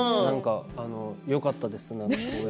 よかったですね。